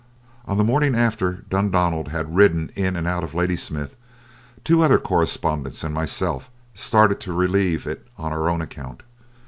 On the morning after Dundonald had ridden in and out of Ladysmith, two other correspondents and myself started to relieve it on our own account.